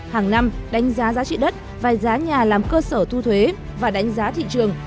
hàng năm đánh giá giá trị đất và giá nhà làm cơ sở thu thuế và đánh giá thị trường